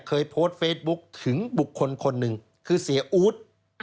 เคยโพสต์เฟซบุ๊คถึงบุคคลคนหนึ่งคือเสียอู๊ด